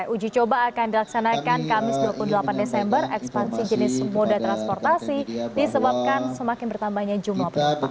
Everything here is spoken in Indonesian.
uji coba akan dilaksanakan kamis dua puluh delapan desember ekspansi jenis moda transportasi disebabkan semakin bertambahnya jumlah penumpang